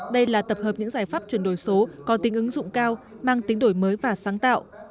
đây là tập hợp những giải pháp chuyển đổi số có tính ứng dụng cao mang tính đổi mới và sáng tạo